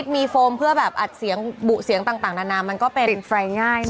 มีโฟมเพื่อแบบอัดเสียงบุเสียงต่างนานามันก็ไปรินไฟล์ง่ายนะ